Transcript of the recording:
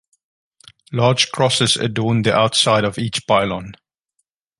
Large crosses adorn the outside of each pylon.